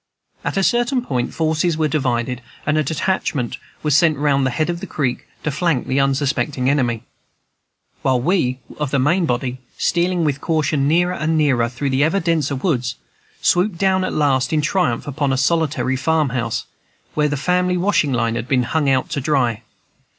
At a certain point forces were divided, and a detachment was sent round the head of the creek, to flank the unsuspecting enemy; while we of the main body, stealing with caution nearer and nearer, through ever denser woods, swooped down at last in triumph upon a solitary farmhouse, where the family washing had been hung out to dry!